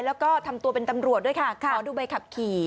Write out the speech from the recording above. แล้วก็ทำตัวเป็นตำรวจด้วยค่ะขอดูใบขับขี่